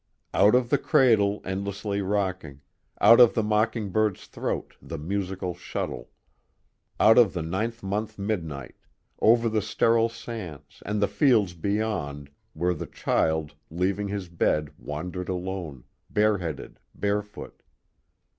_Out of the cradle endlessly rocking, Out of the mocking bird's throat, the musical shuttle, Out of the Ninth month midnight, Over the sterile sands, and the fields beyond, where the child, leaving his bed, wander'd alone, bareheaded, barefoot